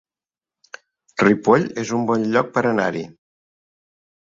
Ripoll es un bon lloc per anar-hi